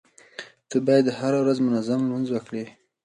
ته بايد هره ورځ منظم لمونځ وکړې.